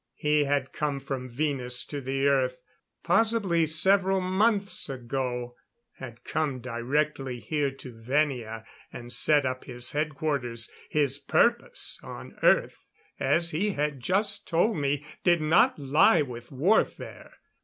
He had come from Venus to the Earth, possibly several months ago. Had come directly here to Venia and set up his headquarters. His purpose on Earth as he had just told me did not lie with warfare.